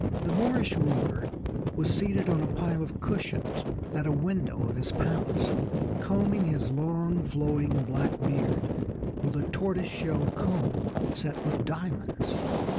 The Moorish ruler was seated on a pile of cushions at a window of his palace, combing his long, flowing black beard with a tortoise shell comb set with diamonds.